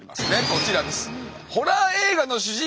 こちらです。